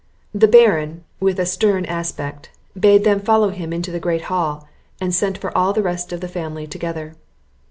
The Baron, with a stern aspect, bade them follow him into the great hall; and sent for all the rest of the family together.